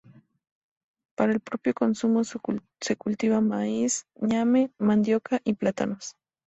Para el propio consumo se cultiva maíz, ñame, mandioca y plátanos.